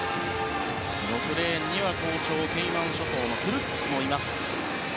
６レーンに好調、ケイマン諸島のクルックスもいます。